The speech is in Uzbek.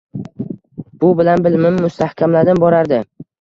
Bu bilan bilimim mustahkamlanib borardi